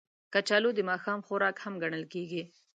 کچالو د ماښام خوراک هم ګڼل کېږي